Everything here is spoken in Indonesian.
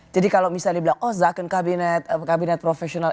jadi kalau misalnya dibilang oh zakon kabinet kabinet profesional